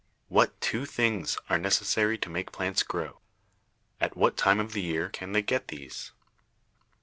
What two things are necessary to make plants grow? At what time of the year can they get these?